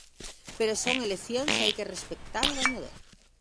Pero son eleccións e hai que respectar o gañador.